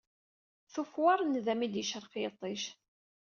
Tufwaṛ nnda mi d-yecreq yiṭij.